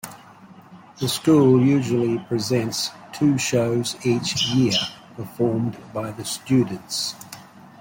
The school usually presents two shows each year, performed by the students.